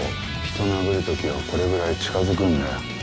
人を殴る時はこれぐらい近づくんだよ。